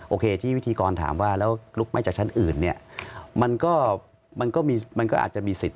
โอเคที่วิธีกรถามว่าแล้วลุกไหม้จากชั้นอื่นเนี่ยมันก็มันก็อาจจะมีสิทธิ